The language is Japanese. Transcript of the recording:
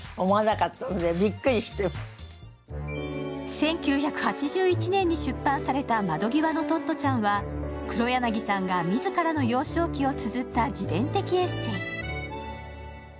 １９８１年に出版された「窓ぎわのトットちゃん」は黒柳さんが自らの幼少期をつづった自伝的エッセー。